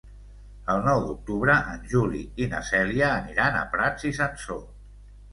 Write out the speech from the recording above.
El nou d'octubre en Juli i na Cèlia aniran a Prats i Sansor.